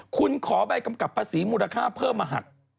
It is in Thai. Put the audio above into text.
คุณขอใบกำกับภาษีมูลค่าเพิ่มมาหัก